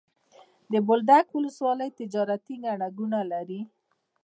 د بولدک ولسوالي تجارتي ګڼه ګوڼه لري.